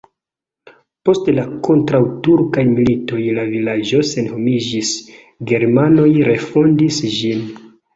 Post la kontraŭturkaj militoj la vilaĝo senhomiĝis, germanoj refondis ĝin.